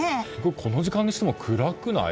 この時間にしては暗くない？